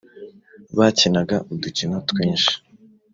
bakinaga udukino twinshi